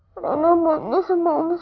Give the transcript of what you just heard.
saya naboknya semua om saldo aja